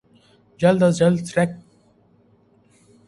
جلد از جلد ٹریک کی مرمت کر کے سروس بحال